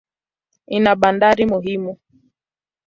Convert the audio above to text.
Ina bandari muhimu.